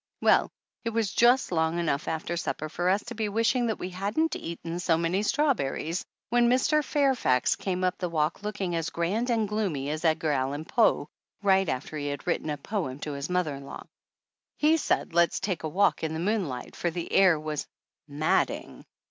Well, it was just long enough after supper for us to be wishing that we hadn't eaten so many strawberries when Mr. Fairfax 2*4 THE ANNALS OF ANN came up the walk looking as grand and gloomy as Edgar Allan Poe, right after he had written & poem to his mother in law. He said let's take a walk in the moonlight for the air was madding.